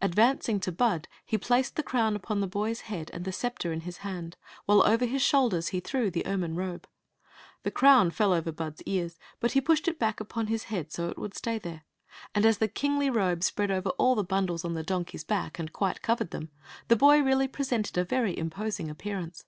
Advancing to Bud, he placed the crown upon the Jboy's head and the scepter in his hand, while over his shoulders he threw the ermine robe. The crown fell over Bud's ears, but he pushed it back upon his head, so it would stay there; and as the kingly robe spread over all die bundles on the 50 Queen Zixi of Ix; or, the donkey s back and quite covered them, the boy really presented a very imposing appearance.